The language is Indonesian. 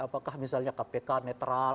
apakah misalnya kpk netral